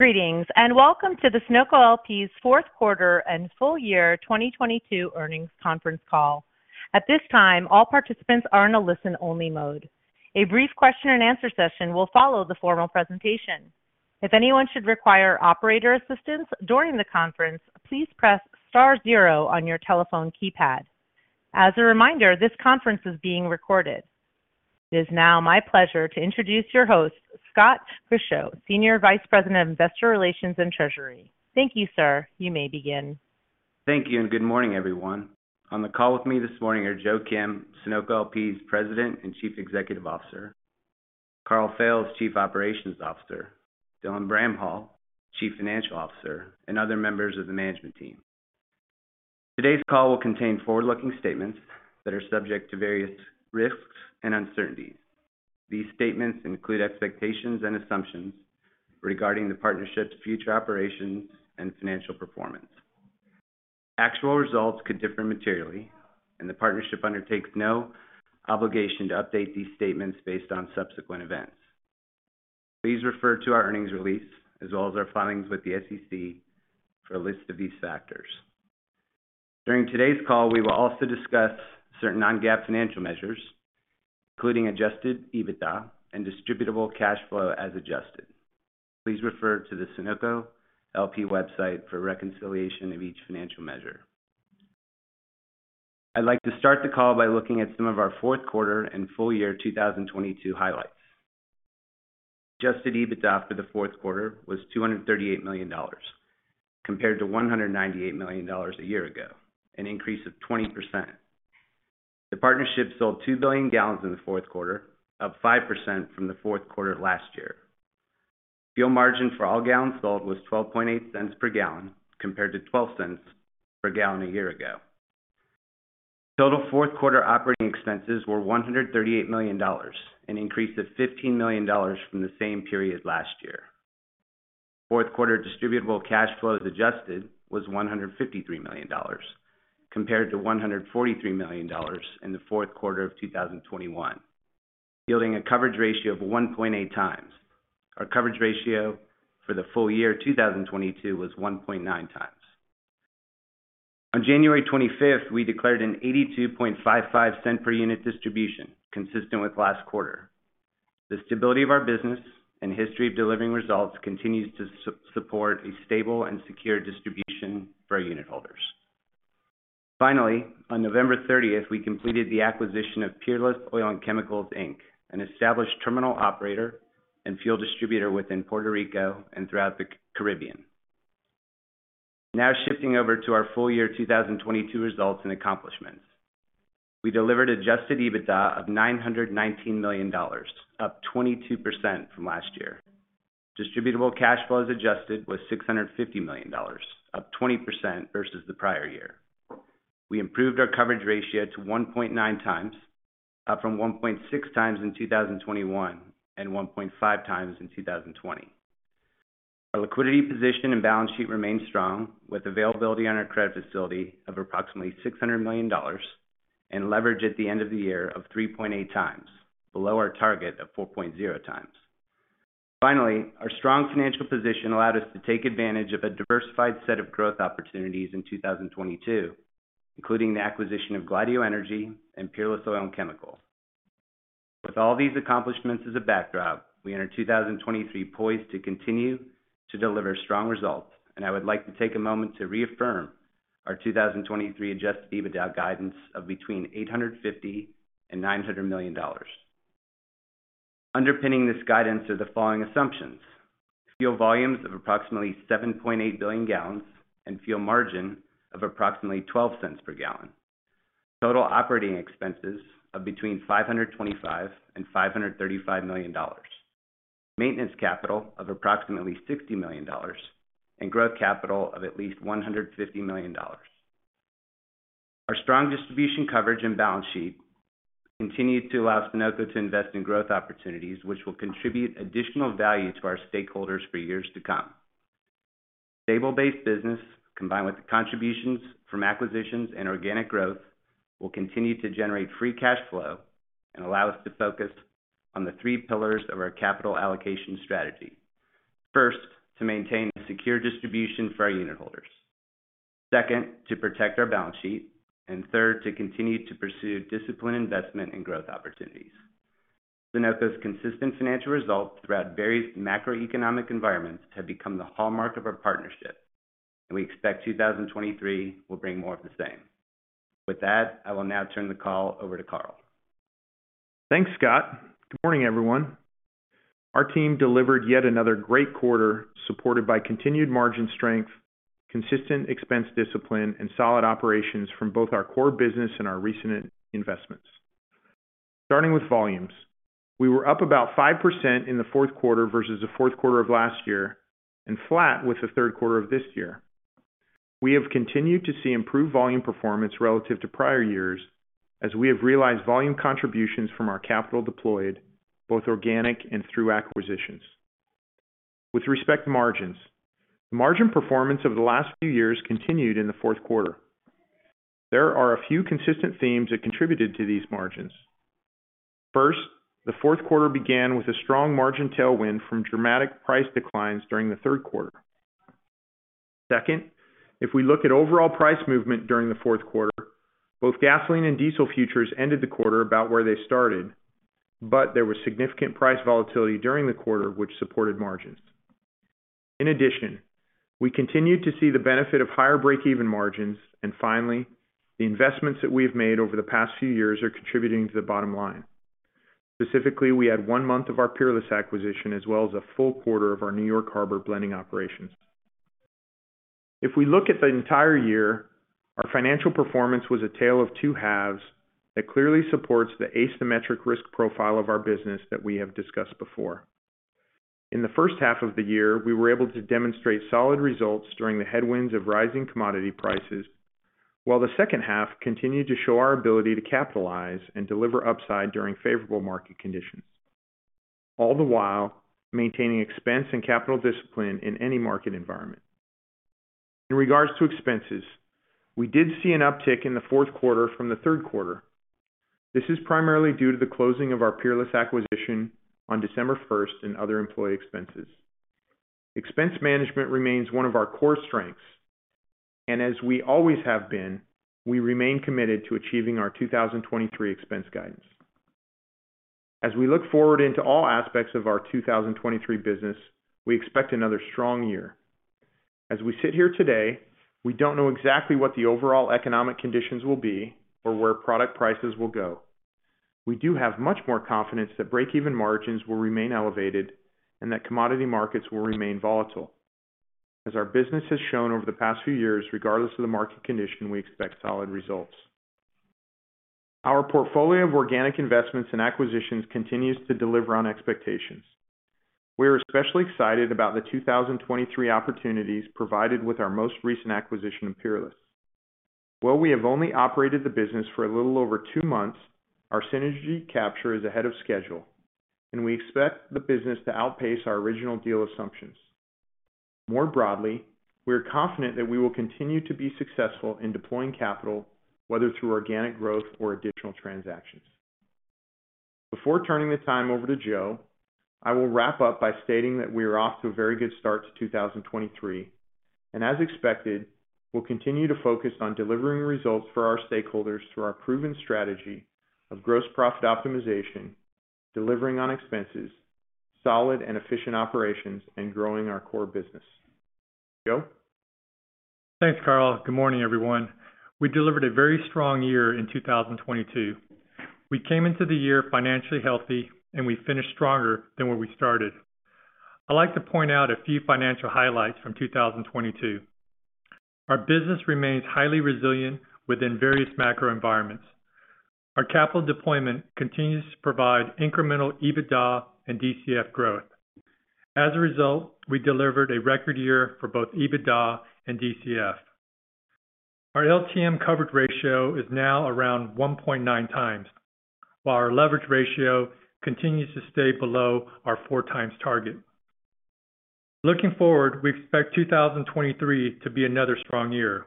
Greetings, welcome to the Sunoco LP's fourth quarter and full year 2022 earnings conference call. At this time, all participants are in a listen-only mode. A brief question and answer session will follow the formal presentation. If anyone should require operator assistance during the conference, please press star zero on your telephone keypad. As a reminder, this conference is being recorded. It is now my pleasure to introduce your host, Scott Grischow, Senior Vice President of Investor Relations and Treasury. Thank you, sir. You may begin. Thank you, and good morning, everyone. On the call with me this morning are Joe Kim, Sunoco LP's President and Chief Executive Officer, Karl Fails, Chief Operations Officer, Dylan Bramhall, Chief Financial Officer, and other members of the management team. Today's call will contain forward-looking statements that are subject to various risks and uncertainties. These statements include expectations and assumptions regarding the partnership's future operations and financial performance. Actual results could differ materially, and the partnership undertakes no obligation to update these statements based on subsequent events. Please refer to our earnings release as well as our filings with the SEC for a list of these factors. During today's call, we will also discuss certain non-GAAP financial measures, including adjusted EBITDA and distributable cash flow as adjusted. Please refer to the Sunoco LP website for reconciliation of each financial measure. I'd like to start the call by looking at some of our fourth quarter and full year 2022 highlights. adjusted EBITDA for the fourth quarter was $238 million, compared to $198 million a year ago, an increase of 20%. The partnership sold 2 billion gallons in the fourth quarter, up 5% from the fourth quarter last year. Fuel margin for all gallons sold was $12.8 cents per gallon, compared to $0.12 per gallon a year ago. Total fourth quarter operating expenses were $138 million, an increase of $15 million from the same period last year. Fourth quarter distributable cash flow as adjusted was $153 million, compared- $143 million in the fourth quarter of 2021, yielding a coverage ratio of 1.8x. Our coverage ratio for the full year 2022 was 1.9x. On 25, January we declared an $0.8255 per unit distribution, consistent with last quarter. The stability of our business and history of delivering results continues to support a stable and secure distribution for our unitholders. Finally, on 30 November we completed the acquisition of Peerless Oil & Chemicals, Inc., an established terminal operator and fuel distributor within Puerto Rico and throughout the Caribbean. Now shifting over to our full year 2022 results and accomplishments. We delivered adjusted EBITDA of $919 million, up 22% from last year. Distributable cash flow as adjusted was $650 million, up 20% versus the prior year. We improved our coverage ratio to 1.9x, up from 1.6x in 2021 and 1.5x in 2020. Our liquidity position and balance sheet remain strong, with availability on our credit facility of approximately $600 million and leverage at the end of the year of 3.8x, below our target of 4.0x. Finally, our strong financial position allowed us to take advantage of a diversified set of growth opportunities in 2022, including the acquisition of Gladieux Energy and Peerless Oil & Chemicals. With all these accomplishments as a backdrop, we enter 2023 poised to continue to deliver strong results. I would like to take a moment to reaffirm our 2023 adjusted EBITDA guidance of between $850 million-$900 million. Underpinning this guidance are the following assumptions: fuel volumes of approximately 7.8 billion gallons and fuel margin of approximately $0.12 per gallon, total operating expenses of between $525 million-$535 million, maintenance capital of approximately $60 million, and growth capital of at least $150 million. Our strong distribution coverage and balance sheet continue to allow Sunoco to invest in growth opportunities, which will contribute additional value to our stakeholders for years to come. Stable-based business, combined with the contributions from acquisitions and organic growth, will continue to generate free cash flow and allow us to focus on the three pillars of our capital allocation strategy. First, to maintain a secure distribution for our unitholders. Second, to protect our balance sheet. Third, to continue to pursue disciplined investment in growth opportunities. Sunoco's consistent financial results throughout various macroeconomic environments have become the hallmark of our partnership. We expect 2023 will bring more of the same. With that, I will now turn the call over to Karl. Thanks, Scott. Good morning, everyone. Our team delivered yet another great quarter, supported by continued margin strength, consistent expense discipline, and solid operations from both our core business and our recent investments. Starting with volumes. We were up about 5% in the fourth quarter versus the fourth quarter of last year and flat with the third quarter of this year. We have continued to see improved volume performance relative to prior years as we have realized volume contributions from our capital deployed, both organic and through acquisitions. With respect to margins, the margin performance over the last few years continued in the fourth quarter. There are a few consistent themes that contributed to these margins. The fourth quarter began with a strong margin tailwind from dramatic price declines during the third quarter. Second, if we look at overall price movement during the fourth quarter, both gasoline and diesel futures ended the quarter about where they started, but there was significant price volatility during the quarter, which supported margins. In addition, we continued to see the benefit of higher breakeven margins. Finally, the investments that we have made over the past few years are contributing to the bottom line. Specifically, we had one month of our Peerless acquisition as well as a full quarter of our N.Y. Harbor blending operations. If we look at the entire year, our financial performance was a tale of two halves that clearly supports the asymmetric risk profile of our business that we have discussed before. In the first half of the year, we were able to demonstrate solid results during the headwinds of rising commodity prices, while the second half continued to show our ability to capitalize and deliver upside during favorable market conditions, all the while maintaining expense and capital discipline in any market environment. In regards to expenses, we did see an uptick in the fourth quarter from the third quarter. This is primarily due to the closing of our Peerless acquisition on 1st, December and other employee expenses. Expense management remains one of our core strengths, and as we always have been, we remain committed to achieving our 2023 expense guidance. As we look forward into all aspects of our 2023 business, we expect another strong year. As we sit here today, we don't know exactly what the overall economic conditions will be or where product prices will go. We do have much more confidence that breakeven margins will remain elevated and that commodity markets will remain volatile. As our business has shown over the past few years, regardless of the market condition, we expect solid results. Our portfolio of organic investments and acquisitions continues to deliver on expectations. We are especially excited about the 2023 opportunities provided with our most recent acquisition of Peerless. While we have only operated the business for a little over two months, our synergy capture is ahead of schedule, and we expect the business to outpace our original deal assumptions. More broadly, we are confident that we will continue to be successful in deploying capital, whether through organic growth or additional transactions. Before turning the time over to Joe, I will wrap up by stating that we are off to a very good start to 2023, and as expected, we'll continue to focus on delivering results for our stakeholders through our proven strategy of gross profit optimization, delivering on expenses, solid and efficient operations, and growing our core business. Joe. Thanks, Karl. Good morning, everyone. We delivered a very strong year in 2022. We came into the year financially healthy. We finished stronger than where we started. I'd like to point out a few financial highlights from 2022. Our business remains highly resilient within various macro environments. Our capital deployment continues to provide incremental EBITDA and DCF growth. As a result, we delivered a record year for both EBITDA and DCF. Our LTM coverage ratio is now around 1.9x, while our leverage ratio continues to stay below our 4x target. Looking forward, we expect 2023 to be another strong year.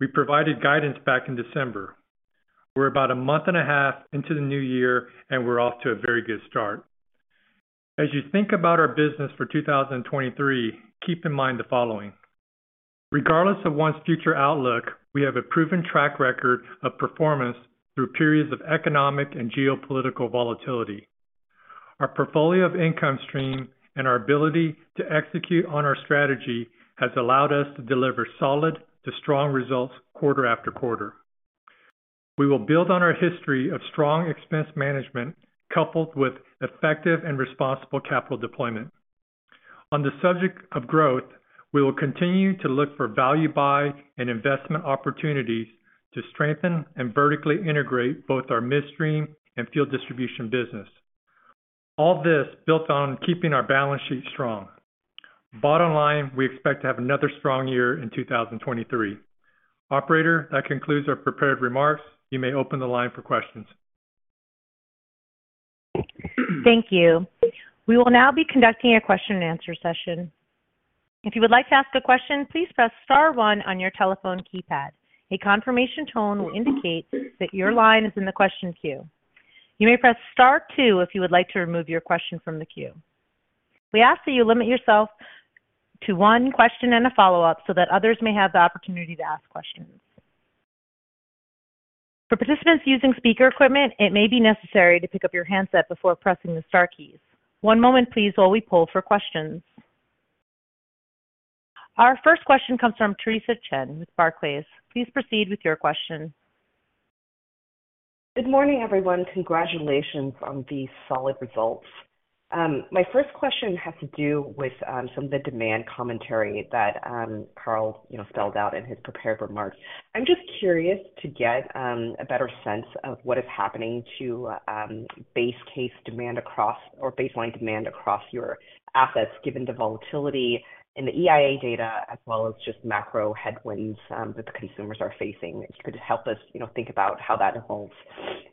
We provided guidance back in December. We're about a month and a half into the new year. We're off to a very good start. As you think about our business for 2023, keep in mind the following. Regardless of one's future outlook, we have a proven track record of performance through periods of economic and geopolitical volatility. Our portfolio of income stream and our ability to execute on our strategy has allowed us to deliver solid to strong results quarter after quarter. We will build on our history of strong expense management coupled with effective and responsible capital deployment. On the subject of growth, we will continue to look for value buy and investment opportunities to strengthen and vertically integrate both our midstream and fuel distribution business. All this built on keeping our balance sheet strong. Bottom line, we expect to have another strong year in 2023. Operator, that concludes our prepared remarks. You may open the line for questions. Thank you. We will now be conducting a question and answer session. If you would like to ask a question, please press star one on your telephone keypad. A confirmation tone will indicate that your line is in the question queue. You may press star two if you would like to remove your question from the queue. We ask that you limit yourself to one question and a follow-up so that others may have the opportunity to ask questions. For participants using speaker equipment, it may be necessary to pick up your handset before pressing the star keys. One moment please while we poll for questions. Our first question comes from Theresa Chen with Barclays. Please proceed with your question. Good morning, everyone. Congratulations on these solid results. My first question has to do with some of the demand commentary that Karl, you know, spelled out in his prepared remarks. I'm just curious to get a better sense of what is happening to base case demand across or baseline demand across your assets, given the volatility in the EIA data as well as just macro headwinds that the consumers are facing. If you could help us, you know, think about how that evolves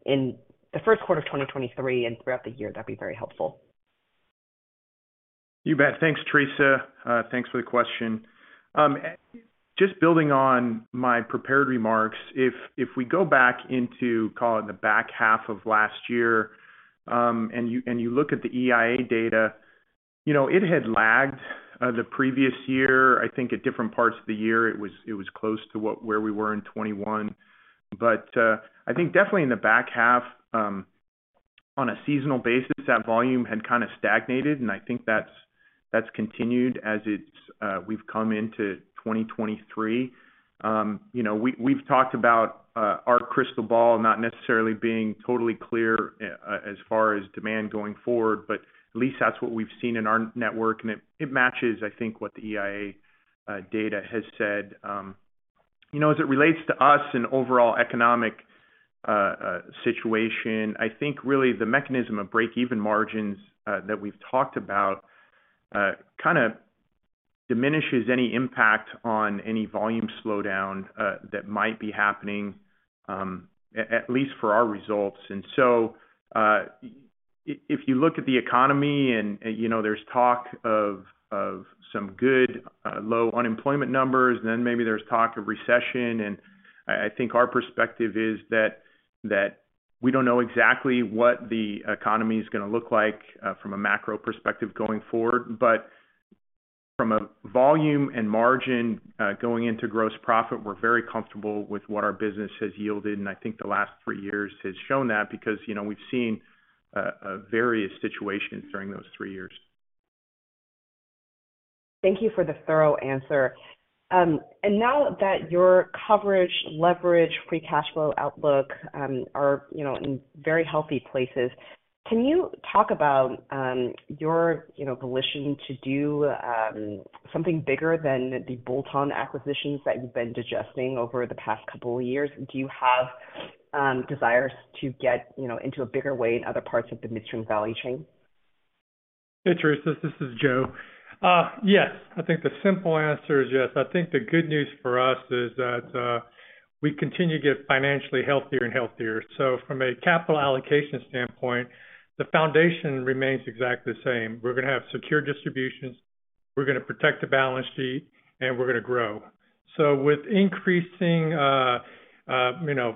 in the first quarter of 2023 and throughout the year, that'd be very helpful. You bet. Thanks, Theresa. Thanks for the question. Just building on my prepared remarks, if we go back into, call it the back half of last year, and you look at the EIA data, you know, it had lagged the previous year. I think at different parts of the year it was close to what where we were in 2021. I think definitely in the back half, on a seasonal basis, that volume had kinda stagnated, and I think that's continued as we've come into 2023. You know, we've talked about our crystal ball not necessarily being totally clear as far as demand going forward, but at least that's what we've seen in our network, and it matches, I think, what the EIA data has said. You know, as it relates to us and overall economic situation, I think really the mechanism of breakeven margins that we've talked about kind of diminishes any impact on any volume slowdown that might be happening at least for our results. If you look at the economy and, you know, there's talk of some good low unemployment numbers, then maybe there's talk of recession, and I think our perspective is that we don't know exactly what the economy's gonna look like from a macro perspective going forward. From a volume and margin going into gross profit, we're very comfortable with what our business has yielded, and I think the last three years has shown that because, you know, we've seen various situations during those three years. Thank you for the thorough answer. Now that your coverage, leverage, free cash flow outlook, are, you know, in very healthy places, can you talk about, your, you know, volition to do, something bigger than the bolt-on acquisitions that you've been digesting over the past couple of years? Do you have, desires to get, you know, into a bigger way in other parts of the midstream value chain? Hey, Teresa, this is Joe. Yes. I think the simple answer is yes. I think the good news for us is that we continue to get financially healthier and healthier. From a capital allocation standpoint, the foundation remains exactly the same. We're gonna have secure distributions, we're gonna protect the balance sheet, and we're gonna grow. With increasing, you know,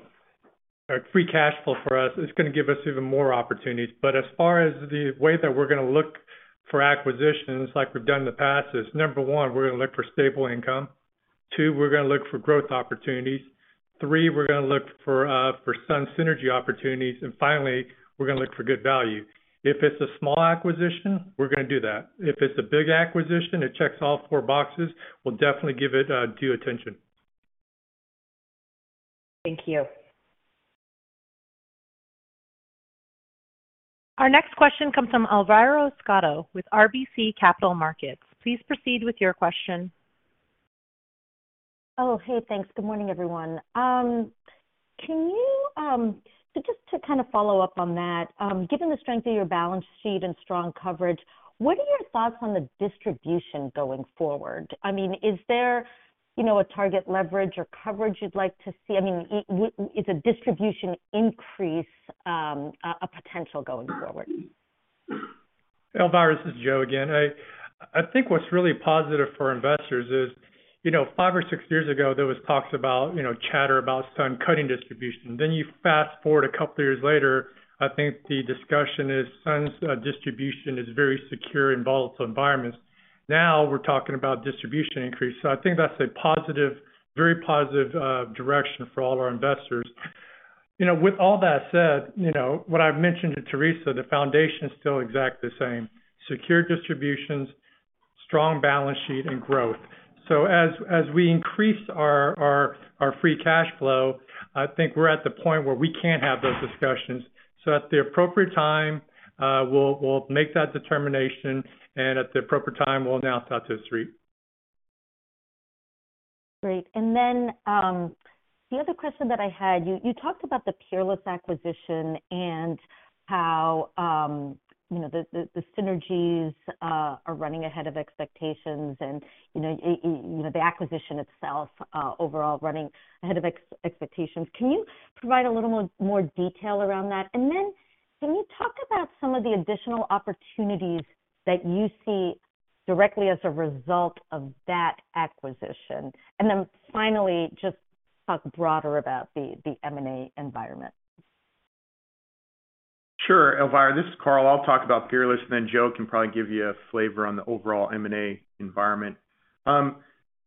free cash flow for us, it's gonna give us even more opportunities. As far as the way that we're gonna look for acquisitions like we've done in the past is, number one, we're gonna look for stable income. Two, we're gonna look for growth opportunities. Three, we're gonna look for some synergy opportunities. Finally, we're gonna look for good value. If it's a small acquisition, we're gonna do that. If it's a big acquisition, it checks all four boxes, we'll definitely give it due attention. Thank you. Our next question comes from Elvira Scotto with RBC Capital Markets. Please proceed with your question. Oh, hey, thanks. Good morning, everyone. Just to kind of follow up on that, given the strength of your balance sheet and strong coverage, what are your thoughts on the distribution going forward? I mean, is there, you know, a target leverage or coverage you'd like to see? I mean, is a distribution increase, a potential going forward? Elvira, this is Joe again. I think what's really positive for investors is, you know, five or six years ago, there was talks about, you know, chatter about SUN cutting distribution. You fast-forward a couple years later, I think the discussion is SUN's distribution is very secure in volatile environments. We're talking about distribution increase. I think that's a positive, very positive direction for all of our investors. You know, with all that said, you know, what I've mentioned to Theresa, the foundation is still exactly the same: secure distributions, strong balance sheet and growth. As we increase our, our free cash flow, I think we're at the point where we can have those discussions. At the appropriate time, we'll make that determination, and at the appropriate time, we'll announce that to the street. Great. The other question that I had, you talked about the Peerless acquisition and how, you know, the synergies are running ahead of expectations and, you know, the acquisition itself, overall running ahead of expectations. Can you provide a little more detail around that? Then can you talk about some of the additional opportunities that you see directly as a result of that acquisition? Then finally, just talk broader about the M&A environment. Sure, Elvira. This is Karl. I'll talk about Peerless, and then Joe can probably give you a flavor on the overall M&A environment.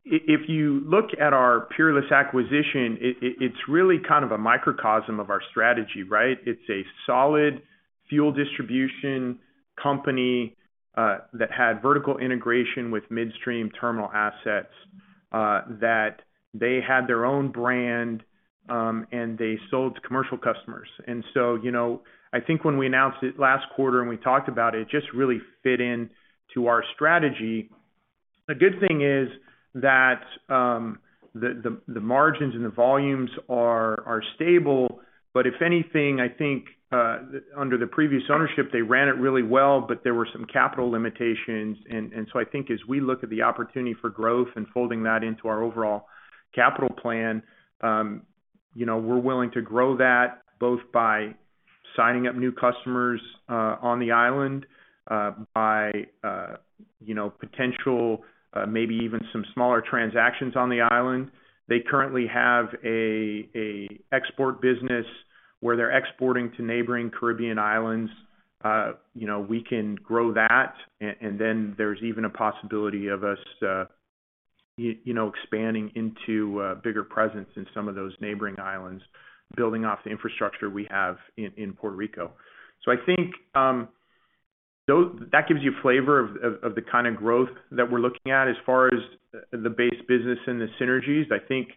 If you look at our Peerless acquisition, it's really kind of a microcosm of our strategy, right? It's a solid fuel distribution company that had vertical integration with midstream terminal assets that they had their own brand, and they sold to commercial customers. You know, I think when we announced it last quarter and we talked about it just really fit in to our strategy. The good thing is that the margins and the volumes are stable, but if anything, I think under the previous ownership, they ran it really well, but there were some capital limitations. I think as we look at the opportunity for growth and folding that into our overall capital plan, you know, we're willing to grow that both by signing up new customers on the island, by, you know, potential, maybe even some smaller transactions on the island. They currently have a export business where they're exporting to neighboring Caribbean islands. You know, we can grow that. And then there's even a possibility of us, you know, expanding into a bigger presence in some of those neighboring islands, building off the infrastructure we have in Puerto Rico. I think that gives you a flavor of the kind of growth that we're looking at. As far as the base business and the synergies, I think,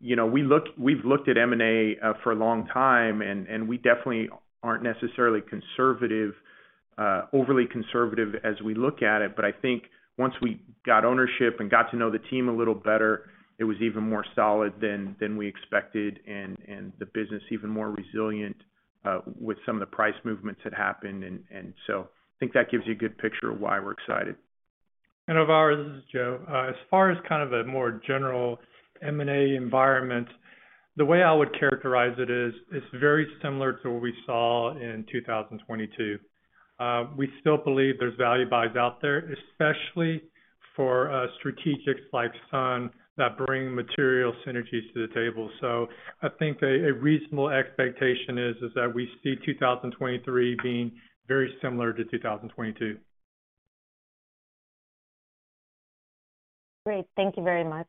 you know, we look... we've looked at M&A for a long time, and we definitely aren't necessarily conservative, overly conservative as we look at it. I think once we got ownership and got to know the team a little better, it was even more solid than we expected and the business even more resilient, with some of the price movements that happened. I think that gives you a good picture of why we're excited. Elvira, this is Joe. As far as kind of a more general M&A environment, the way I would characterize it is it's very similar to what we saw in 2022. We still believe there's value buys out there, especially for, strategics like Sun that bring material synergies to the table. I think a reasonable expectation is that we see 2023 being very similar to 2022. Great. Thank you very much.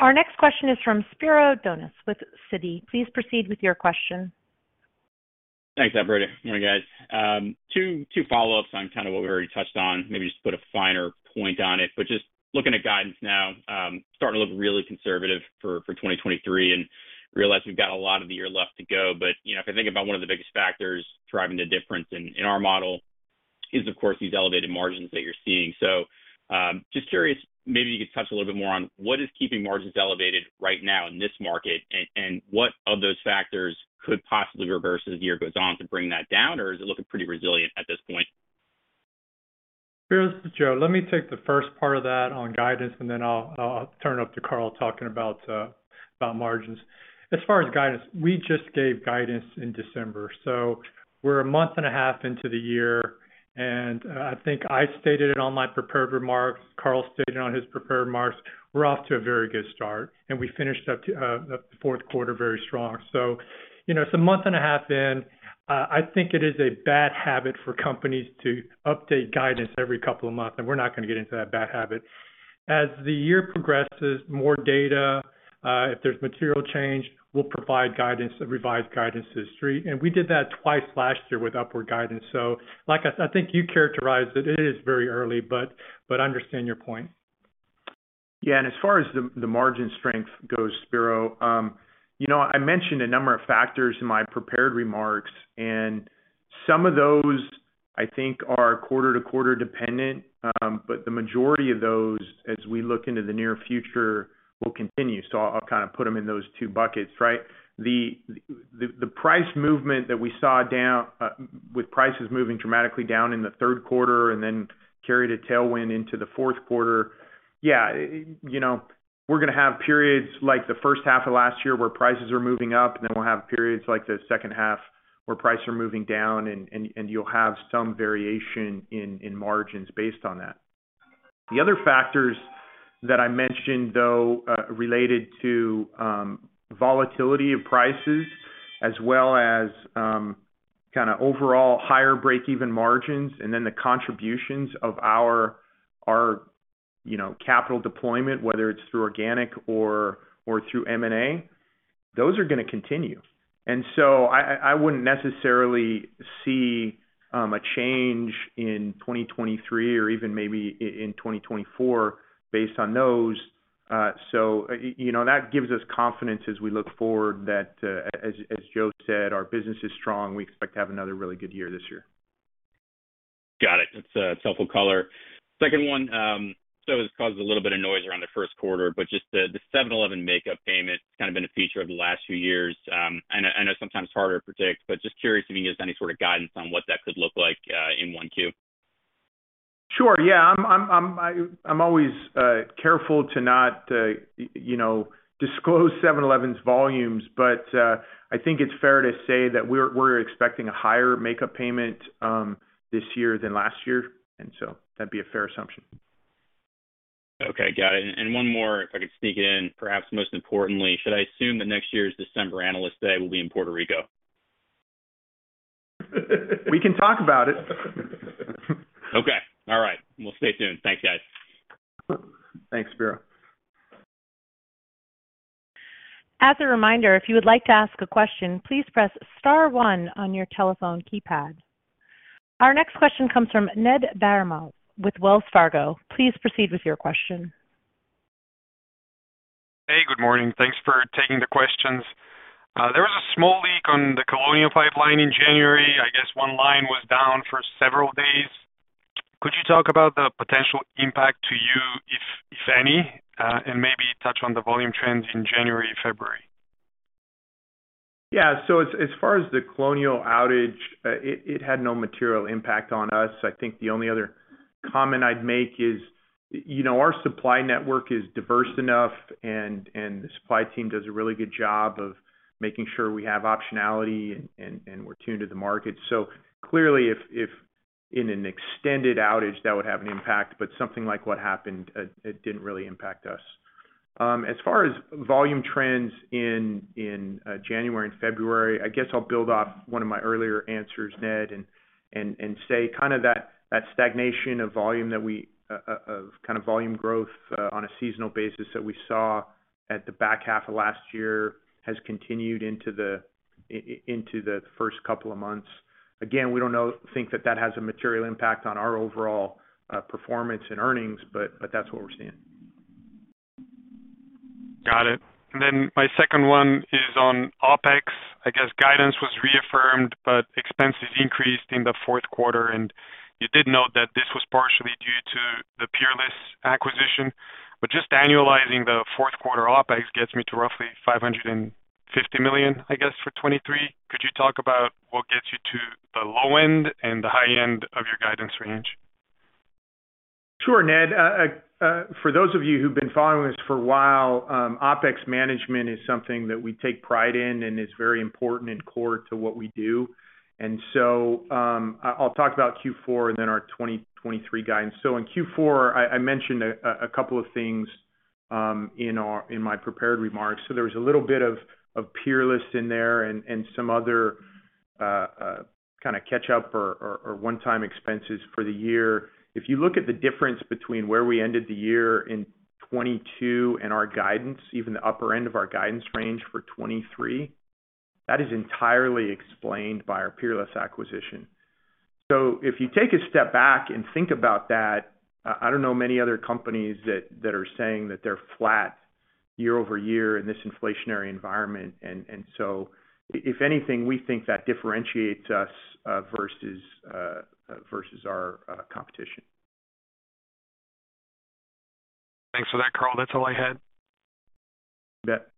Our next question is from Spiro Dounis with Citi. Please proceed with your question. Thanks, operator. Good morning, guys. Two follow-ups on kind of what we already touched on, maybe just put a finer point on it. Just looking at guidance now, starting to look really conservative for 2023 and realize we've got a lot of the year left to go. You know, if I think about one of the biggest factors driving the difference in our model is, of course, these elevated margins that you're seeing. Just curious, maybe you could touch a little bit more on what is keeping margins elevated right now in this market, and what of those factors could possibly reverse as the year goes on to bring that down? Or is it looking pretty resilient at this point? Spiro, this is Joe. Let me take the first part of that on guidance, and then I'll turn it up to Karl talking about margins. As far as guidance, we just gave guidance in December, so we're a month and a half into the year. I think I stated it on my prepared remarks, Karl stated it on his prepared remarks, we're off to a very good start, and we finished up to the fourth quarter very strong. You know, it's a month and a half in. I think it is a bad habit for companies to update guidance every couple of months, and we're not gonna get into that bad habit. As the year progresses, more data, if there's material change, we'll provide guidance, revised guidance to the street. We did that twice last year with upward guidance. Like I think you characterized it. It is very early, but understand your point. Yeah. As far as the margin strength goes, Spiro, you know, I mentioned a number of factors in my prepared remarks, and some of those, I think are quarter-to-quarter dependent. The majority of those, as we look into the near future, will continue. I'll kind of put them in those two buckets, right? The price movement that we saw down, with prices moving dramatically down in the third quarter and then carried a tailwind into the fourth quarter. Yeah, you know, we're gonna have periods like the first half of last year where prices are moving up, and then we'll have periods like the second half where prices are moving down and you'll have some variation in margins based on that. The other factors that I mentioned, though, related to volatility of prices as well as kind of overall higher breakeven margins and then the contributions of our, you know, capital deployment, whether it's through organic or through M&A, those are gonna continue. I wouldn't necessarily see a change in 2023 or even maybe in 2024 based on those. You know, that gives us confidence as we look forward that, as Joe said, our business is strong. We expect to have another really good year this year. Got it. That's helpful color. Second one, it has caused a little bit of noise around the first quarter, but just the 7-Eleven makeup payment's kind of been a feature of the last few years. I know sometimes it's harder to predict, but just curious if you can give us any sort of guidance on what that could look like in 1Q. Sure. Yeah. I'm always careful to not, you know, disclose 7-Eleven's volumes. I think it's fair to say that we're expecting a higher makeup payment this year than last year, that'd be a fair assumption. Okay, got it. One more, if I could sneak it in. Perhaps most importantly, should I assume that next year's December Analyst Day will be in Puerto Rico? We can talk about it. Okay. All right. We'll stay tuned. Thanks, guys. Thanks, Spiro. As a reminder, if you would like to ask a question, please press star one on your telephone keypad. Our next question comes from Ned Baramov with Wells Fargo. Please proceed with your question. Hey, good morning. Thanks for taking the questions. There was a small leak on the Colonial Pipeline in January. I guess one line was down for several days. Could you talk about the potential impact to you, if any, and maybe touch on the volume trends in January and February? As far as the Colonial outage, it had no material impact on us. I think the only other comment I'd make is, you know, our supply network is diverse enough and the supply team does a really good job of making sure we have optionality and we're tuned to the market. Clearly if in an extended outage, that would have an impact, but something like what happened, it didn't really impact us. As far as volume trends in January and February, I guess I'll build off one of my earlier answers, Ned, and say kinda that stagnation of volume of kinda volume growth on a seasonal basis that we saw at the back half of last year has continued into the first couple of months. Again, we think that that has a material impact on our overall, performance and earnings, but that's what we're seeing. Got it. My second one is on OpEx. I guess guidance was reaffirmed, expenses increased in the fourth quarter, and you did note that this was partially due to the Peerless acquisition. Just annualizing the fourth quarter, OpEx gets me to roughly $550 million, I guess, for 2023. Could you talk about what gets you to the low end and the high end of your guidance range? Sure, Ned. For those of you who've been following us for a while, OpEx management is something that we take pride in and is very important and core to what we do. I'll talk about Q4 and then our 2023 guidance. In Q4, I mentioned a couple of things in my prepared remarks. There was a little bit of Peerless in there and some other kinda catch-up or one-time expenses for the year. If you look at the difference between where we ended the year in 2022 and our guidance, even the upper end of our guidance range for 2023, that is entirely explained by our Peerless acquisition. If you take a step back and think about that, I don't know many other companies that are saying that they're flat year-over-year in this inflationary environment. If anything, we think that differentiates us versus our competition. Thanks for that, Karl. That's all I had. You bet.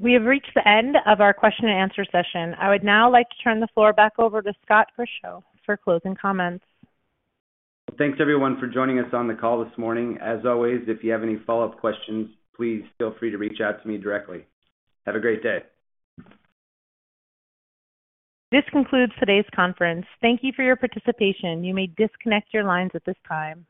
We have reached the end of our question and answer session. I would now like to turn the floor back over to Scott Grischow for closing comments. Thanks everyone for joining us on the call this morning. As always, if you have any follow-up questions, please feel free to reach out to me directly. Have a great day. This concludes today's conference. Thank you for your participation. You may disconnect your lines at this time.